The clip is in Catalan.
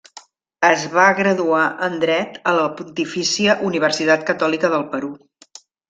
Es va graduar en dret a la Pontifícia Universitat Catòlica del Perú.